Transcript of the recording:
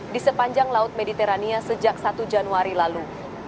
di sepanjang laut mediterania sejak satu januari lalu